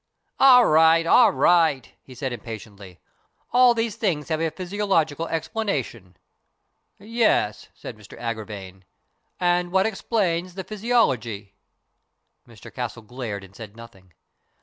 "All right, all right," he said impatiently. "All these things have a physiological explanation." " Yes," said Mr Agravine. " And what explains the physiology ?" Mr Castle glared and said nothing.